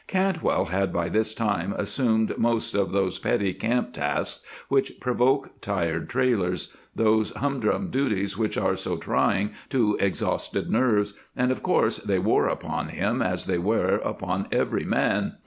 Cantwell had by this time assumed most of those petty camp tasks which provoke tired trailers, those humdrum duties which are so trying to exhausted nerves, and of course they wore upon him as they wear upon every man.